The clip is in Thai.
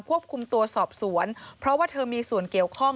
ควบคุมตัวสอบสวนเพราะว่าเธอมีส่วนเกี่ยวข้อง